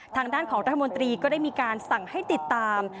ทางด้านของรัฐมนตรีก็ได้มีการสั่งให้ติดตาม